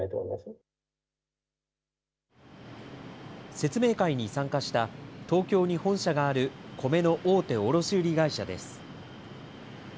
説明会に参加した、東京に本社があるコメの大手卸売り会社です。